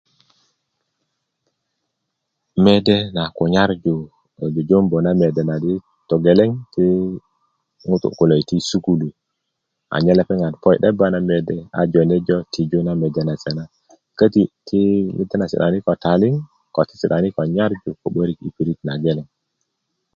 mede na kunyarju ko jujumbu na mede na di togeleŋ ti ŋutuu kulo yiti' sukulu anyen lepeŋat po yi 'debba na mede a jone jo tiju na mede nase na köti ti si'dani' ko taliŋ ti si'dani ko nyarju yi pirit nageleŋ